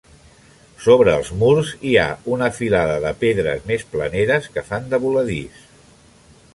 Sobre els murs hi ha una filada de pedres més planeres que fan de voladís.